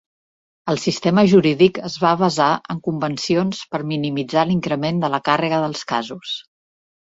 El sistema jurídic es va basar en convencions per minimitzar l'increment de la càrrega dels casos.